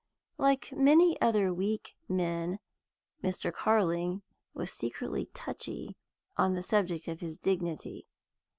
Like many other weak men, Mr. Carling was secretly touchy on the subject of his dignity.